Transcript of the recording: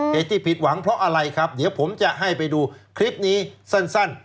เหตุที่ผิดหวังเพราะอะไรครับเดี๋ยวผมจะให้ไปดูคลิปนี้สั้น